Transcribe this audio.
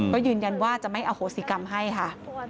ก็ยืนยันว่าจะไม่อโหสิกรรมให้ค่ะ